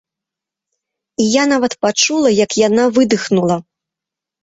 І я нават пачула, як яна выдыхнула.